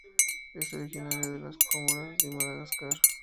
Es originario de las Comoras y Madagascar.